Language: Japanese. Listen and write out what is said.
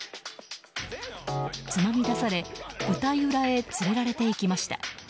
つまみ出され舞台裏へ連れられて行きました。